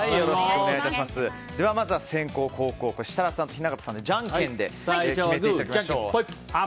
では、まずは先攻・後攻を設楽さんと雛形さんでじゃんけんで決めていただきます。